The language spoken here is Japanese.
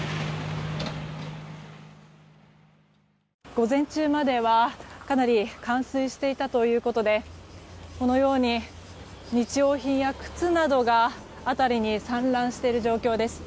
午前中まではかなり冠水していたということでこのように日用品や靴などが辺りに散乱している状況です。